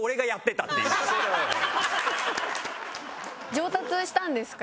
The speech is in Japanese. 上達したんですか？